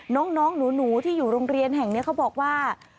น้องหนูที่อยู่โรงเรียนแห่งนี้เขาบอกว่า